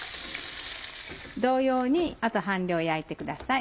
同様にあと半量焼いてください。